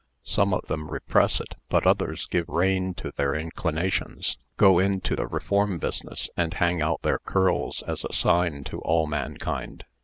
Some of them repress it, but others give rein to their inclinations, go into the reform business, and hang out their curls as a sign to all mankind.